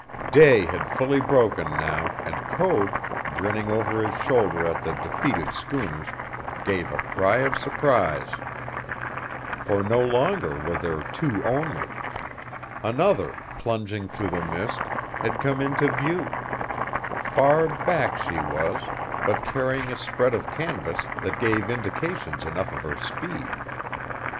Day had fully broken now, and Code, grinning over his shoulder at the defeated schooners, gave a cry of surprise. For no longer were there two only. Another, plunging through the mist, had come into view; far back she was, but carrying a spread of canvas that gave indications enough of her speed.